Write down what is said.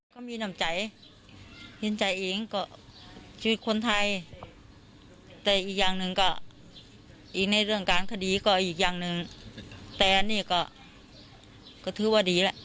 ก็มีน้ำใจเห็นใจเองก็ชีวิตคนไทยแต่อีกอย่างหนึ่งก็อีกในเรื่องการคดีก็อีกอย่างหนึ่งแต่นี่ก็ถือว่าดีแล้ว